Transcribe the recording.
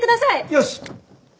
よし！